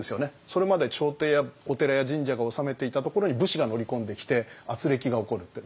それまで朝廷やお寺や神社が治めていたところに武士が乗り込んできてあつれきが起こるって。